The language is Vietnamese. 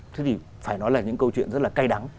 thế thì phải nói là những câu chuyện rất là cay đắng